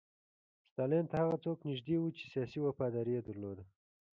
ستالین ته هغه څوک نږدې وو چې سیاسي وفاداري یې درلوده